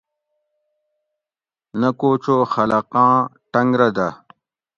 نہ کو چو خلقان ٹۤنگ رہ دہ